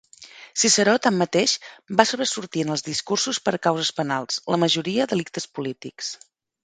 Ciceró, tanmateix, va sobresortir en els discursos per causes penals, la majoria delictes polítics.